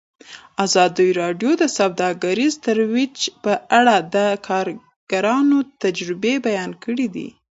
ازادي راډیو د سوداګریز تړونونه په اړه د کارګرانو تجربې بیان کړي.